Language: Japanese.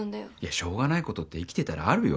しょうがないことって生きてたらあるよ。